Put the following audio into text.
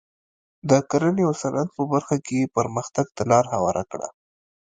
د کرنې او صنعت په برخه کې یې پرمختګ ته لار هواره کړه.